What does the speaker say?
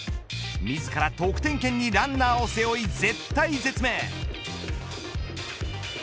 自ら得点圏にランナーを背負い絶体絶命。